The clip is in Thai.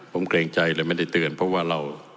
ผมเกรงใจเลยไม่ได้เตือนเพราะว่าเรา